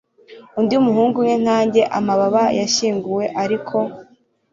undi muhungu umwe nkanjye, amababa yashyinguwe ariko